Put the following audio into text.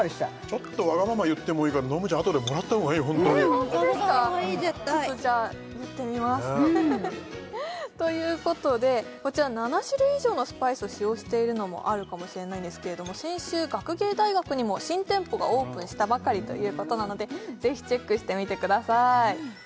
ちょっとじゃ言ってみますということでこちら７種類以上のスパイスを使用しているのもあるかもしれないんですけれども先週学芸大学にも新店舗がオープンしたばかりということなのでぜひチェックしてみてください